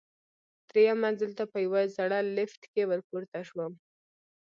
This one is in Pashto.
درېیم منزل ته په یوه زړه لفټ کې ورپورته شوم.